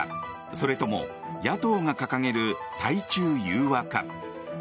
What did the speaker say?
それとも野党が掲げる対中融和か。